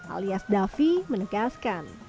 alias dalfi menegaskan